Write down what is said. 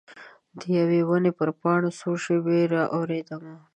د یوي ونې پر پاڼو څو شیبې را اوریدمه